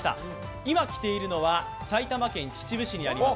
今、来ているのは埼玉県秩父市にあります